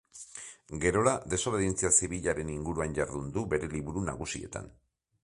Gerora desobedientzia zibilaren inguruan jardun du bere liburu nagusietan.